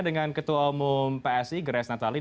dengan ketua umum psi grace natalim